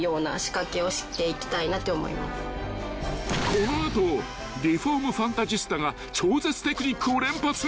［この後リフォームファンタジスタが超絶テクニックを連発］